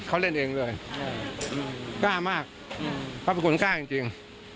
เขาเล่นเองเลยกล้ามากเขาเป็นคนกล้าจริง